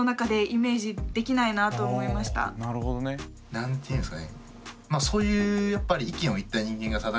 何ていうんですかね